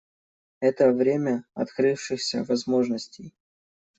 Это время открывшихся возможностей.